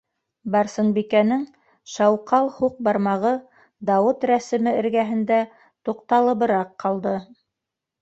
Барсынбикәнең шауҡал һуҡ бармағы Дауыт рәсеме эргәһендә туҡталыбыраҡ ҡалды.